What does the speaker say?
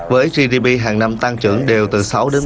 với gdp hàng năm tăng trưởng đều từ sáu bảy